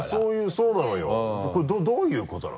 そうなのよどういうことなの？